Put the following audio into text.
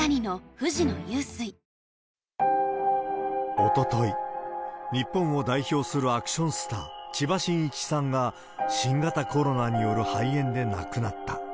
おととい、日本を代表するアクションスター、千葉真一さんが、新型コロナによる肺炎で亡くなった。